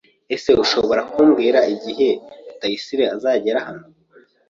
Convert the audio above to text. ese ushobora kumbwira igihe Rutayisire azagera hano,